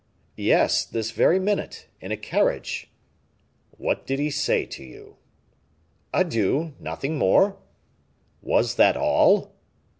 "Yes, this very minute, in a carriage." "What did he say to you?" "'Adieu;' nothing more." "Was that all?"